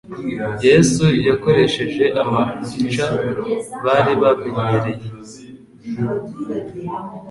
Yesu yakoresheje amapica bari bamenyereye